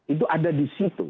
itu ada di situ